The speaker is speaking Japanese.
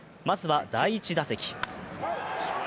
まずは第１打席。